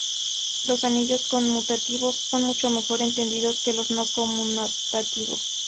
Los anillos conmutativos son mucho mejor entendidos que los no conmutativos.